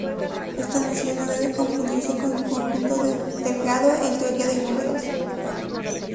Esta noción no debe confundirse con la de conjunto delgado en teoría de números.